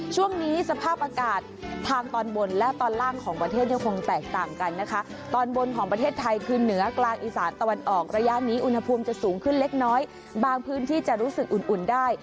ช่วงนี้สภาพอากาศทางตอนบนและตอนล่างของประเทศยังคงแตกต่างกันนะคะตอนบนของประเทศไทยคือเหนือกลางอีสานตะวันออกระยะนี้อุณหภูมิจะสูงขึ้นเล็กน้อยบางพื้นที่จะรู้สึกอุ่นได้